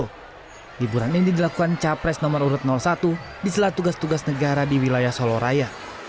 hiburan ini dilakukan capres nomor urut satu di selat tugas tugas negara di wilayah solo raya